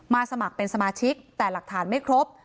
สมัครเป็นสมาชิกแต่หลักฐานไม่ครบ